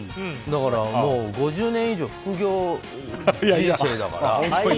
だからもう５０年以上副業人生だから。